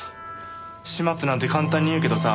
始末なんて簡単に言うけどさ。